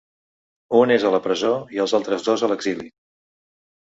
Un és a la presó i els altres dos a l’exili.